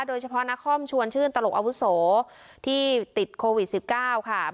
โดยเฉพาะนครชวนชื่นตลกอาวุโสที่ติดโควิด๑๙ค่ะ